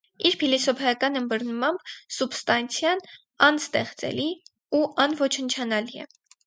Իր փիլիսոփայական ըմբռնմամբ սուբստանցիան անստեղծելի ու անոչնչանալի է։